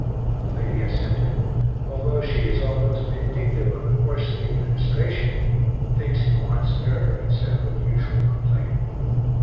The lady assented, although she is almost vindictive on the course of the administration (thinks it wants nerve, etc. the usual complaint).